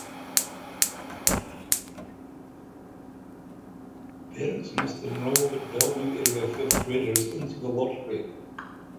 Parents must enroll their Bellevue-area fifth graders into the lottery.